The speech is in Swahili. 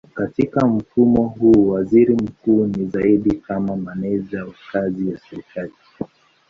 Katika mfumo huu waziri mkuu ni zaidi kama meneja wa kazi ya serikali.